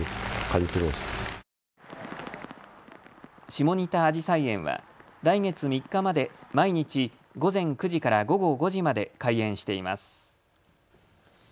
下仁田あじさい園は来月３日まで毎日、午前９時から午後５時まで開園しています。